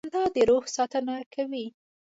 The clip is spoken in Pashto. • خندا د روح ساتنه کوي.